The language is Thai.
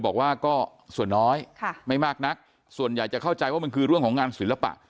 บอกว่าก็ส่วนน้อยไม่มากนักส่วนใหญ่จะเข้าใจว่ามันคือเรื่องของงานศิลปะ